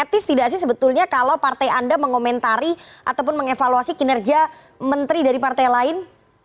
tidak sih sebetulnya kalau partai anda mengomentari ataupun mengevaluasi kinerja menteri dari partai lain